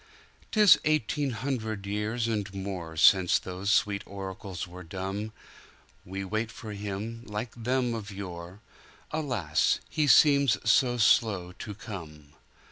"'Tis eighteen hundred years and moreSince those sweet oracles were dumb; We wait for Him, like them of yore; Alas, He seems so slow to come!